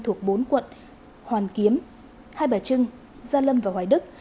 thuộc bốn quận hoàn kiếm hai bà trưng gia lâm và hoài đức